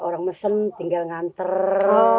orang mesen tinggal ngantar